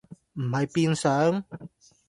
唔係變上？